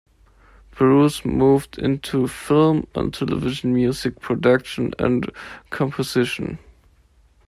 Bruce moved into film and television music production and composition.